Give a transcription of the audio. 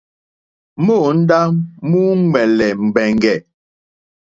Móǒndá múúŋwɛ̀lɛ̀ mbɛ̀ŋgɛ̀.